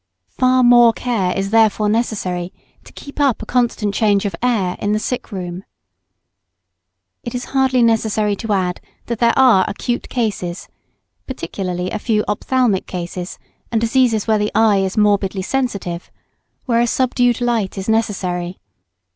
Far more care is therefore necessary to keep up a constant change of air in the sick room. It is hardly necessary to add that there are acute cases (particularly a few ophthalmic cases, and diseases where the eye is morbidly sensitive), where a subdued light is necessary.